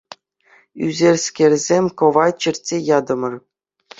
Ӳсӗрскерсем кӑвайт чӗртсе ятӑмӑр.